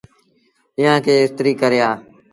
ايٚئآن کي استريٚ ڪري آ۔